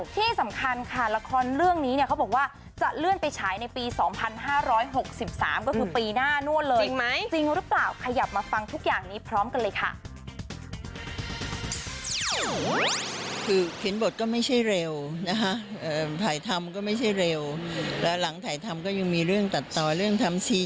ที่สำคัญค่ะละครเรื่องนี้เขาบอกว่าจะเลื่อนไปฉายในปี๒๕๖๓ก็คือปีหน้านั่วเลย